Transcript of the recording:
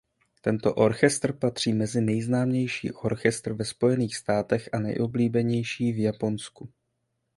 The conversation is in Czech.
Tento orchestr patří mezi nejznámější orchestr ve Spojených státech a nejoblíbenější v Japonsku.